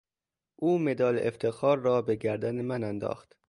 او مدال افتخار را به گردن من انداخت